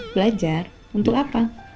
belajar untuk apa